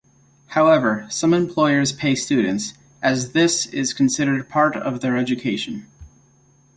However, some employers pay students, as this is considered part of their education.